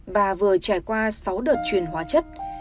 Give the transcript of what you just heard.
bà vừa trải qua sáu đợt truyền hóa chất